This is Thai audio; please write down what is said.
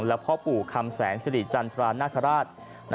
และพ่อปู่คำแสนสิริจันทรานาคาราช